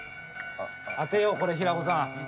当てようこれ平子さん。